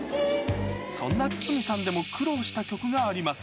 そんな筒美さんでも苦労した曲があります。